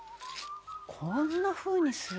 「こんなふうにする」